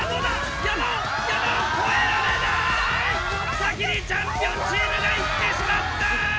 先にチャンピオンチームが行ってしまった！